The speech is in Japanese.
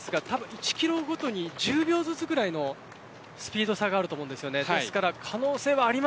１キロごとに１０秒ずつぐらいのスピード差があると思います。